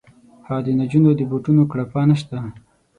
ها د نجونو د بوټونو کړپا نه شته